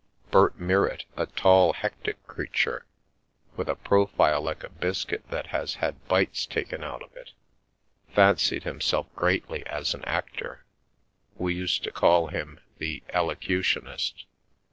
Bert Mirrit, a tall, hectic creature, with a profile like a biscuit that has had bites taken out of it, fancied O Haggett's himself greatly as an actor: we used to call him "the Elocutionist."